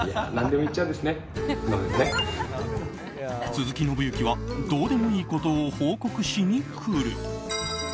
鈴木伸之はどうでもいいことを報告しにくる。